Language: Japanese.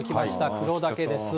黒岳です。